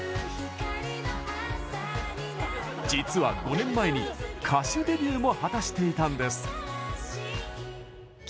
実は５年前に、歌手デビューも果たしていたんです！